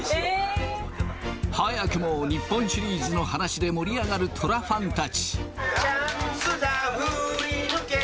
早くも日本シリーズの話で盛り上がる虎ファンたち。